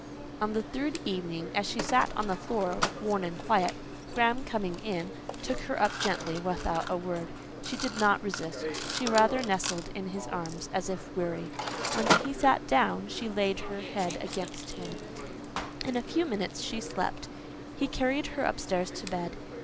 On the third evening, as she sat on the floor, worn and quiet, Graham, coming in, took her up gently, without a word. She did not resist: she rather nestled in his arms, as if weary. When he sat down, she laid her head against him; in a few minutes she slept; he carried her upstairs to bed.